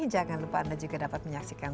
jangan lupa anda juga dapat menyaksikan